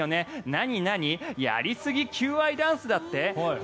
何々やりすぎ求愛ダンスだって？